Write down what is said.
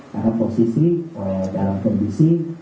karena posisi dalam kondisi